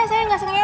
saya nggak sengaja